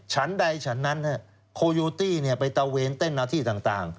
ฉันใดฉันนั้นโคโยตี้ไปตะเวนเต้นหน้าที่ต่าง